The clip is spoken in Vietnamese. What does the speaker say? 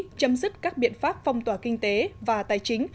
quốc hội mỹ chấm dứt các biện pháp phong tỏa kinh tế và tài chính